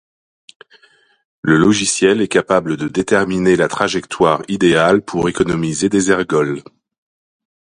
Le logiciel est capable de déterminer la trajectoire idéale pour économiser des ergols.